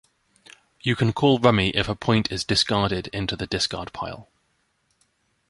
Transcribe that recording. You can call rummy if a point is discarded into the discard pile.